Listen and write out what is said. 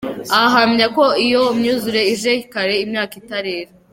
Ahamya ko iyo myuzure ije kare imyaka itarera.